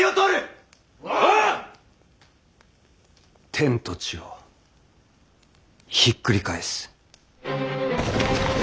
天と地をひっくり返す。